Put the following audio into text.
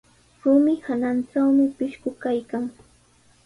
Rumi hanantrawmi pishqu kaykan.